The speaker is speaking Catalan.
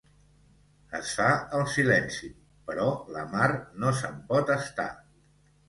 Es fa el silenci, però la Mar no se'n pot estar.